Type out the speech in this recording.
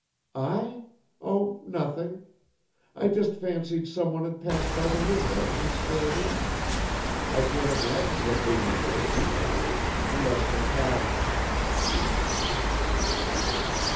"I? Oh, nothing! I just fancied someone had passed by the window and stared in. I can't imagine what made me fancy that. Unless the cat " She hesitated.